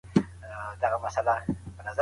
ولي د خوړو خوندیتوب یو حق دی؟